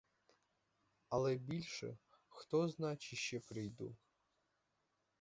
Але більше хто зна чи ще прийду.